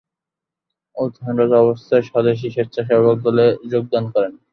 অধ্যয়নরত অবস্থায় স্বদেশী স্বেচ্ছাসেবক দলে যোগদান করেন।